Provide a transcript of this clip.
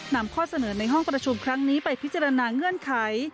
นำข้อเสนอในห้องประชุมครั้งนี้ไปพิจารณาเงื่อนไข